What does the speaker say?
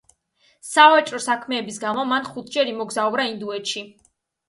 სავაჭრო საქმეების გამო, მან ხუთჯერ იმოგზაურა ინდოეთში.